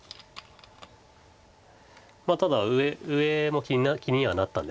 まあただ上も気にはなったんですけど。